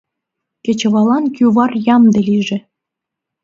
Кечываллан кӱвар ямде лийже!